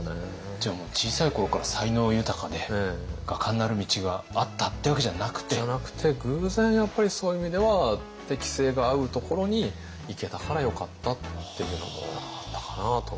じゃあもう小さい頃から才能豊かで画家になる道があったっていうわけじゃなくて？じゃなくて偶然やっぱりそういう意味では適性が合うところに行けたからよかったっていうのもあったかなと。